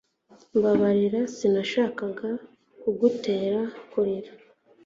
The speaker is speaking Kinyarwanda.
Mbabarira Sinashakaga kugutera kurira